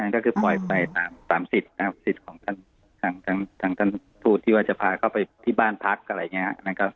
ก็คือปล่อยไปตามสิทธิ์สิทธิ์ของทางท่านทูตที่ว่าจะพาเขาไปที่บ้านพักอะไรอย่างนี้นะครับ